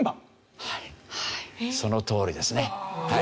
そのとおりですね。